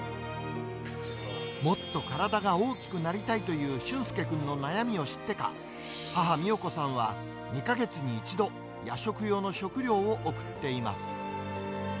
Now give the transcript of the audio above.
もっと体が大きくなりたいという俊介君の悩みを知ってか、母、美代子さんは、２か月に１度、夜食用の食料を送っています。